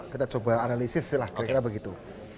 kita coba analisis lah kira kira begitu